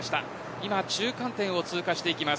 今、中間点を通過していきます。